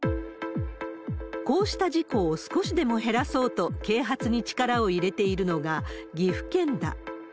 こうした事故を少しでも減らそうと、啓発に力を入れているのが岐阜県だ。